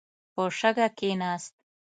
په شګه کښېناست.